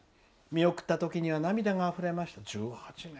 見送ったときは涙があふれました」。